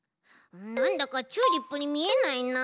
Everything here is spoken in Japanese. なんだかチューリップにみえないなあ。